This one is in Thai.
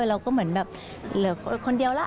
เราก็เหมือนแบบเหลือคนเดียวล่ะ